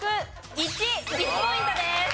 １ポイントです。